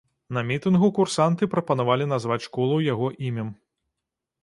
На мітынгу курсанты прапанавалі назваць школу яго імем.